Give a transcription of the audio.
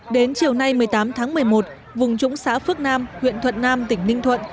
đến chiều nay một mươi tám tháng một mươi một vùng trũng xã phước nam huyện thuận nam tỉnh ninh thuận